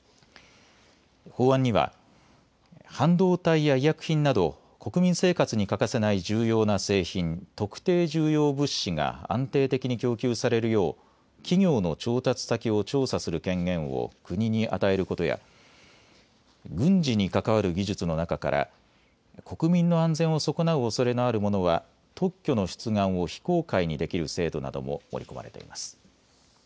法案には半導体や医薬品など国民生活に欠かせない重要な製品特定重要物資が安定的に供給されるよう企業の調達先を調査する権限を国に与えることや軍事に関わる技術の中から国民の安全を損なうおそれのあるものは特許の出願を非公開にできる制度なども盛り込まれています。